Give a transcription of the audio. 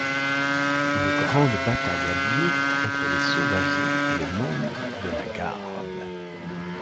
Une grande bataille a lieu entre les sauvageons et les membres de la Garde.